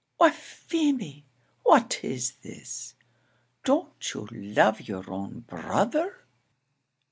"Why, Feemy, what is this? Don't you love your own brother?"